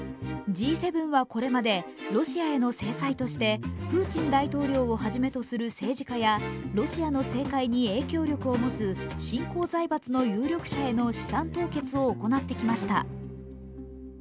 Ｇ７はこれまでロシアへの制裁としてプーチン大統領をはじめとする政治家やロシアの政界に影響力を持つ、新興財閥の有力者への資産凍結を行ってきました。